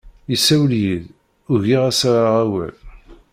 Yessawel-iyi-d, ugiɣ ad as-rreɣ awal.